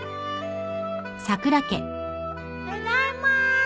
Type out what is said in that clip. ただいま。